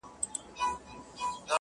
توره مي تر خپلو گوتو وزي خو ـ